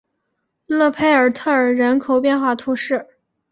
勒佩尔特尔人口变化图示